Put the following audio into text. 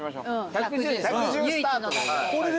１１０スタートで。